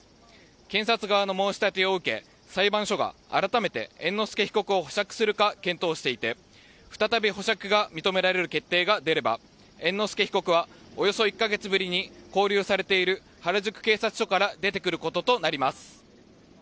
検察側の申し立てを受け裁判所が改めて猿之助被告を保釈するか検討していて再び保釈が認められる決定が出れば猿之助被告はおよそ１か月ぶりに勾留されている原宿警察署から出てくることとなります。